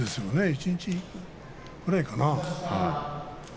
一日くらいかな。